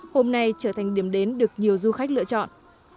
hôm nay trở thành điểm đến được nhiều du khách lựa chọn